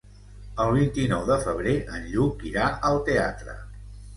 El vint-i-nou de febrer en Lluc irà al teatre.